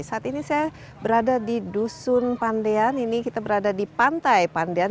saat ini saya berada di dusun pandean ini kita berada di pantai pandian